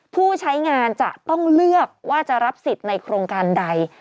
ผู้ใช้งานจะต้องเลือกว่าจะรับสิทธิ์ในโครงการใด